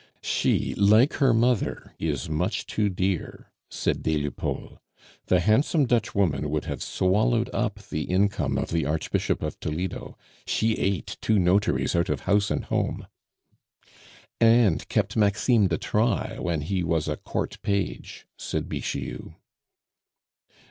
"She, like her mother, is much too dear," said des Lupeaulx. "The handsome Dutch woman would have swallowed up the income of the Archbishop of Toledo; she ate two notaries out of house and home " "And kept Maxime de Trailles when he was a court page," said Bixiou.